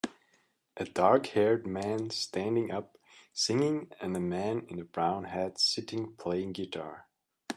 A darkhaired man standing up singing and a man in a brown hat sitting playing guitar.